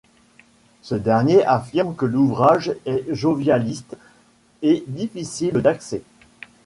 Ce dernier affirme que l'ouvrage est jovialiste et difficile d'accès.